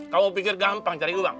kamu pikir gampang cari uang